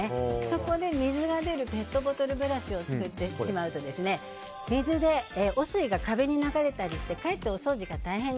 そこで、水が出るペットボトルブラシを使ってしまうと水で汚水が壁に流れたりしてかえってお掃除が壁！